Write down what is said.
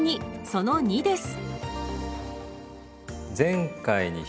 その２です。